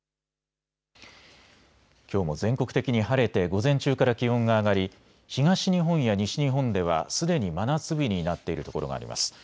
きょうも全国的に晴れて午前中から気温が上がり東日本や西日本ではすでに真夏日になっている所があります。